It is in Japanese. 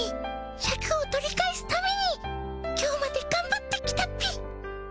シャクを取り返すために今日までがんばってきたっピ。